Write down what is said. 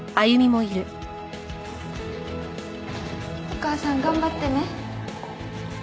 お母さん頑張ってね。